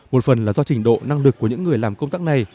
một phần là do trình độ năng lực của những người làm công tác này